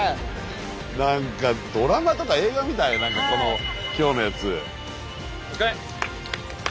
何かドラマとか映画みたい何かこの今日のやつ。